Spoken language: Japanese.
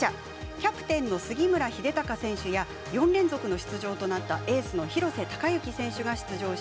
キャプテンの杉村英孝選手や４連続の出場となったエースの廣瀬隆喜選手が出場しています。